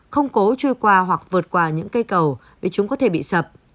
không cố trôi qua hoặc vượt qua những cây cầu vì chúng có thể bị sập